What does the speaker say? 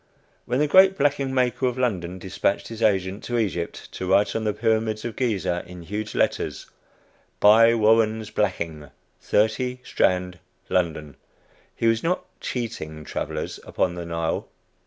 When the great blacking maker of London dispatched his agent to Egypt to write on the pyramids of Ghiza, in huge letters, "Buy Warren's Blacking, 30 Strand, London," he was not "cheating" travelers upon the Nile.